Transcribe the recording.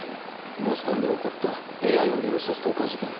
ボストンで起こったＡＩを利用したストーカー事件。